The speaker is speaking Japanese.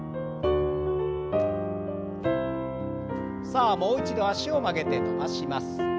さあもう一度脚を曲げて伸ばします。